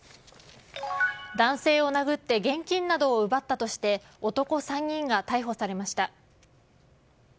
男性を殴って現金などを奪ったとして男３人が逮捕されました。